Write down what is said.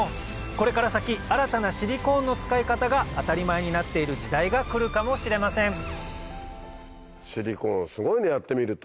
これから先新たなシリコーンの使い方が当たり前になっている時代が来るかもしれませんシリコーンすごいねやってみると。